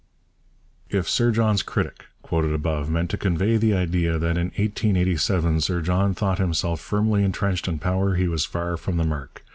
If Sir John's critic, quoted above, meant to convey the idea that in 1887 Sir John thought himself firmly entrenched in power, he was far from the mark.